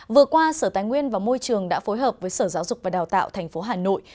vừa qua sở tài nguyên và môi trường đã phối hợp với sở giáo dục và đào tạo tp hà nội